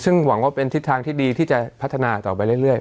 ซึ่งหวังว่าเป็นทิศทางที่ดีที่จะพัฒนาต่อไปเรื่อย